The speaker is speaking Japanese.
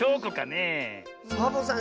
サボさん